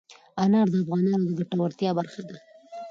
انار د افغانانو د ګټورتیا برخه ده.